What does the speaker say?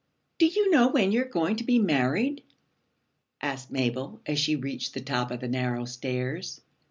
'Do you know when you're going to be married?' asked Mabel as she reached the top of the narrow stairs.